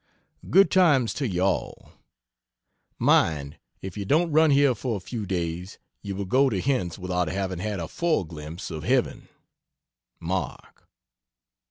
Good times to you all! Mind if you don't run here for a few days you will go to hence without having had a fore glimpse of heaven. MARK.